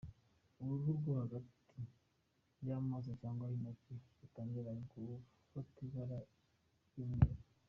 Uruhu rwo hagati y’amano cyangwa y’intoki rutangira gufata ibara ry’umweru.